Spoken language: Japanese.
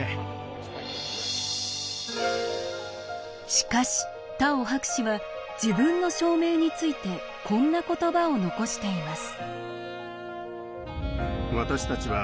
しかしタオ博士は自分の証明についてこんな言葉を残しています。